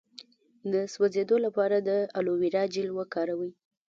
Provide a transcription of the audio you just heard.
د سوځیدو لپاره د الوویرا جیل وکاروئ